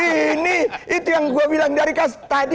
ini itu yang gue bilang dari tadi